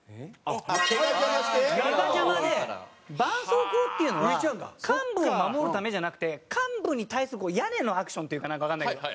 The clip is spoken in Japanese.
そうこうっていうのは患部を守るためじゃなくて患部に対する屋根のアクションっていうかなんかわかんないけど。